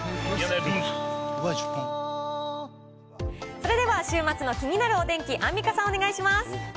それでは、週末の気になるお天気、アンミカさん、お願いします。